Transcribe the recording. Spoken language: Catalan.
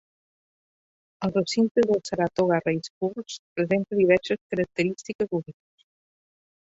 El recinte del Saratoga Race Course presenta diverses característiques úniques.